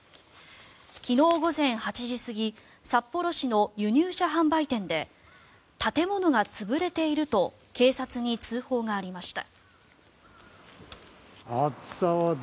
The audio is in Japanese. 昨日午前８時過ぎ札幌市の輸入車販売店で建物が潰れていると警察に通報がありました。